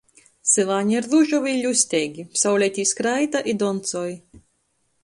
Syvāni ir ružovi i ļusteigi, sauleitē skraida i doncoj.